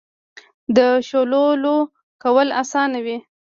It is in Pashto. د شولو لو کول اسانه وي.